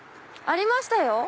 ありましたよ！